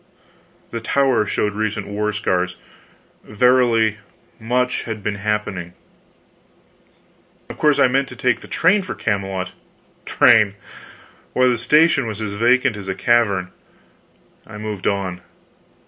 The Tower showed recent war scars. Verily, much had been happening. Of course, I meant to take the train for Camelot. Train! Why, the station was as vacant as a cavern. I moved on.